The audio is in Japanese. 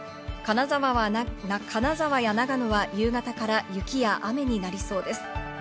金沢や長野は夕方から雪や雨になりそうです。